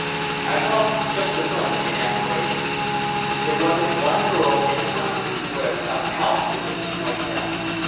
I lost just a moment in admiration. There wasn't one girl in a hundred who would have come out with it like that.